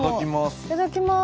いただきます。